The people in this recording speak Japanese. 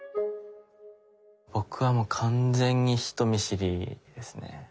僕はもう完全に人見知りですね。